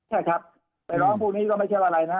ใช่ครับไปร้องพวกนี้ก็ไม่ใช่อะไรนะ